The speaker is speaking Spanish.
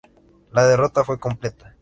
La derrota fue completa.